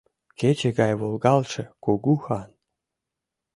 — Кече гай волгалтше кугу хан!